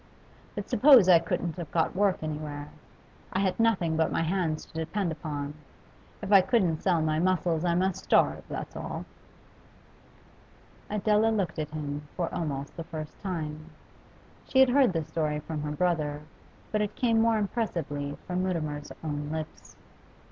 But suppose I couldn't have got work anywhere. I had nothing but my hands to depend upon; if I couldn't sell my muscles I must starve, that's all.' Adela looked at him for almost the first time. She had heard this story from her brother, but it came more impressively from Mutimer's own lips.